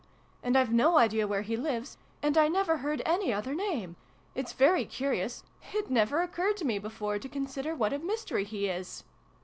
And I've no idea where he lives ! And I never heard any other name! It's very curious. It never occurred to me before to consider what a mystery he is